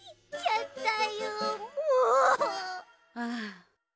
ああ。